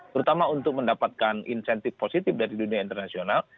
terutama untuk mendapatkan insentif positif dari dunia internasional